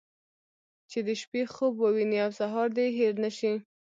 چې د شپې خوب ووينې او سهار دې هېر نه شي.